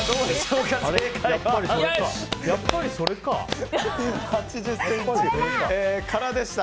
やっぱりそれか。